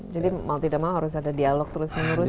jadi mau tidak malah harus ada dialog terus menerus